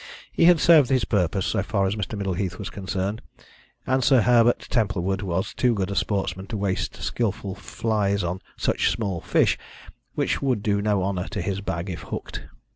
He had served his purpose, so far as Mr. Middleheath was concerned, and Sir Herbert Templewood was too good a sportsman to waste skilful flies on such a small fish, which would do no honour to his bag if hooked.